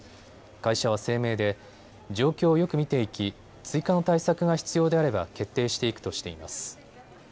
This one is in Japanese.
会社は声明で状況をよく見ていき追加の対策が必要であれば決定していくとしています。